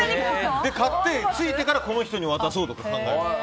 買って着いてからこの人に渡そうとか考える。